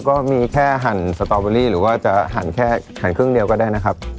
ก็มีแค่หั่นสตอเบอรี่หรือว่าจะหั่นแค่หั่นครึ่งเดียวก็ได้นะครับ